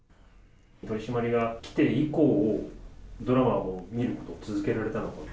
取締りが来て以降、ドラマを見ることを続けられたのか。